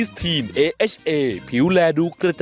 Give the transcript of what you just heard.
สวัสดีครับคุณผู้ชม